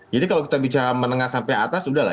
jadi kalau kita bicara menengah sampai atas udah lah